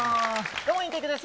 どうもインテイクです。